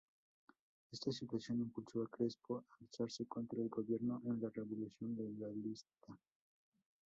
Esa situación impulsó a Crespo a alzarse contra el gobierno en la Revolución Legalista.